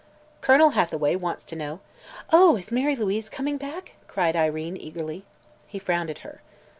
"Colonel Hathaway wants to know " "Oh, is Mary Louise coming back?" cried Irene eagerly. He frowned at her.